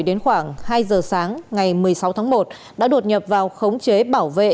đến khoảng hai giờ sáng ngày một mươi sáu tháng một đã đột nhập vào khống chế bảo vệ